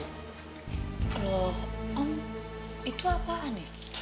kalau itu apaan ya